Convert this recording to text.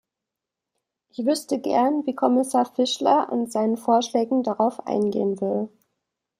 Ich wüßte gern, wie Kommissar Fischler in seinen Vorschlägen darauf eingehen will.